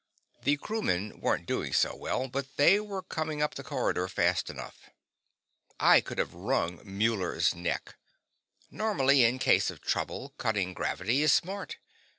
The crewmen weren't doing so well but they were coming up the corridor fast enough. I could have wrung Muller's neck. Normally, in case of trouble, cutting gravity is smart.